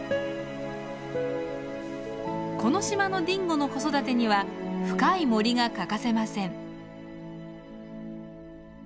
この島のディンゴの子育てには深い森が欠かせません。